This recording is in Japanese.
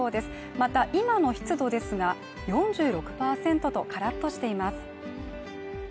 また今の湿度ですが４６％とカラッとしています